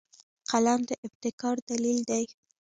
قلم د ابتکار دلیل دی